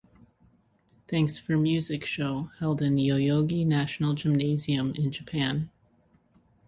Thanks For Music show held in Yoyogi National Gymnasium, in Japan.